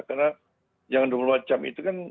karena yang dua puluh empat jam itu kan